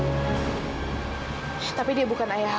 aku baru sadar kalau dia itu mirip banget sama ayah kamu